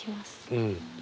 うん。